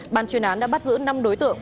bàn chuyển án đã bắt giữ năm đối tượng